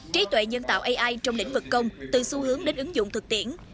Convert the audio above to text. trí tuệ nhân tạo ai trong lĩnh vực công từ xu hướng đến ứng dụng thực tiễn